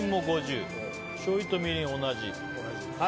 しょうゆとみりん同じ。